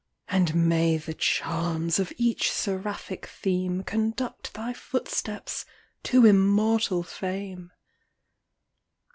And may the charms of each seraphic theme Conduct thy footsteps to immortal fame!